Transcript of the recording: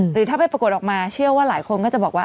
หรือถ้าไปปรากฏออกมาเชื่อว่าหลายคนก็จะบอกว่า